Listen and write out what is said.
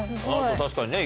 確かにね